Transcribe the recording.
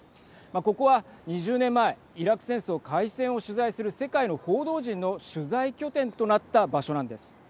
ここは２０年前イラク戦争開戦を取材する世界の報道陣の取材拠点となった場所なんです。